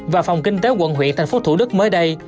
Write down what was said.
và phòng kinh tế quận huyện thành phố thủ đức mới đây